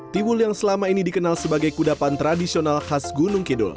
tiwul yang selama ini dikenal sebagai kudapan tradisional khas gunung kidul